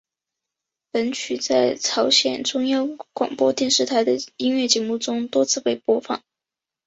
本曲在朝鲜中央广播电台的音乐节目中多次被播放。